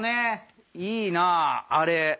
いいなあれ。